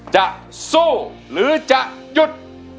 จะสู้หรือจะหยุด